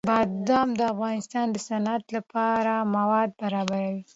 بادام د افغانستان د صنعت لپاره مواد برابروي.